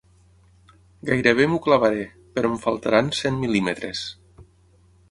Gairebé m'ho clavaré, però em faltaran cent mil·límetres.